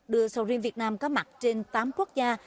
đưa sầu riêng việt nam có mặt trên tám quốc gia